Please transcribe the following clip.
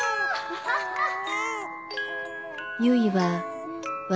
アハハハ